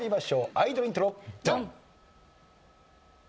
アイドルイントロドン！